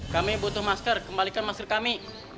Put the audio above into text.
kami butuh masker kembalikan masker kami